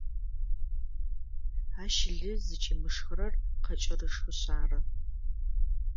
Ащ лы зыкӏимышхырэр къэкӏырышхышъ ары.